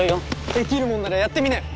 できるもんならやってみなよ。